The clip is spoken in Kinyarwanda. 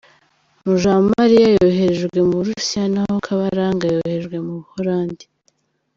Mujawamaliya yoherejwe mu Burusiya naho Kabaranga yoherejwe mu Buholandi.